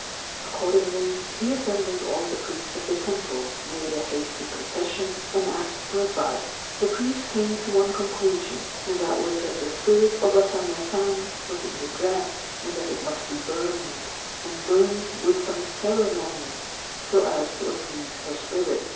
Accordingly, he assembled all the priests of the temple, made a hasty confession, and asked for advice. The priests came to one conclusion, and that was that the spirit of O Same San was in the dress, and that it must be burned, and burned with some ceremony, so as to appease her spirit.